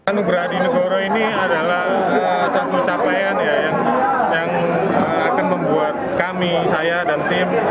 anugerah adi negoro ini adalah satu pencapaian yang akan membuat kami saya dan tim